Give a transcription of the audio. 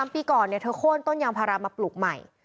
ปีก่อนเธอโค้นต้นยางพารามาปลูกใหม่